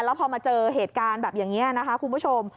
แล้วพอมาเจอเหตุการณ์แบบอย่างนี้นะคะคุณผู้ชม